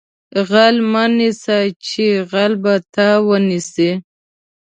غل مه نیسه چې غل به تا ونیسي